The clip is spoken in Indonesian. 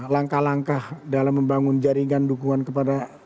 langkah langkah dalam membangun jaringan dukungan kepada